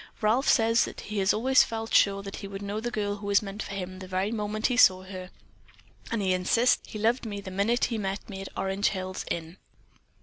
"Ralph says that he has always felt sure that he would know the girl who was meant for him the very moment that he saw her, and he insists that he loved me the minute he met me at Orange Hills Inn."